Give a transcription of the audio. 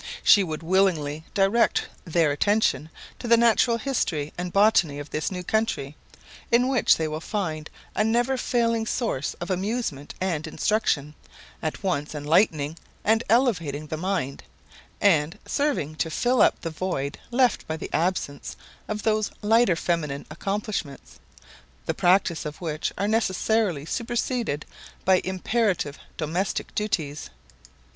She would willingly direct their attention to the natural history and botany of this new country, in which they will find a never failing source of amusement and instruction, at once enlightening and elevating the mind, and serving to fill up the void left by the absence of those lighter feminine accomplishments, the practice of which are necessarily superseded by imperative domestic duties.